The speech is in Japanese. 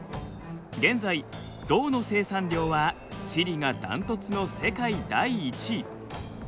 現在銅の生産量はチリが断トツの世界第１位。